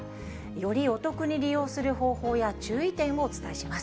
よりお得に利用する方法や注意点をお伝えします。